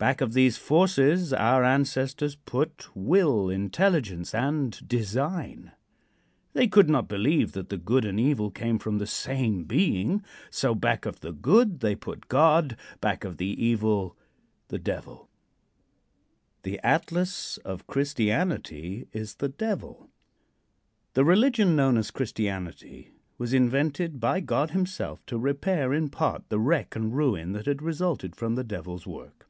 Back of these forces our ancestors put will, intelligence and design. They could not believe that the good and evil came from the same being. So back of the good they put God; back of the evil, the Devil. II. THE ATLAS OF CHRISTIANITY IS THE DEVIL. The religion known as "Christianity" was invented by God himself to repair in part the wreck and ruin that had resulted from the Devil's work.